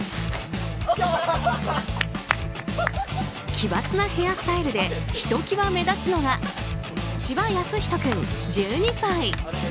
奇抜なヘアスタイルでひときわ目立つのが千葉靖仁君、１２歳。